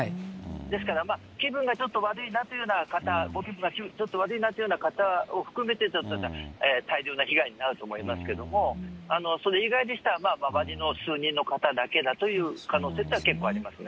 ですから気分がちょっと悪いなという方、ご気分がちょっと悪いなっていう方含めたら大量な被害になると思いますけれども、それ以外でしたら、周りの数人の方だけだという可能性というのは結構ありますね。